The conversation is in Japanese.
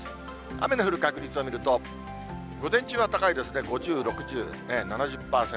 雨の降る確率を見ると、午前中は高いですね、５０、６０、７０％。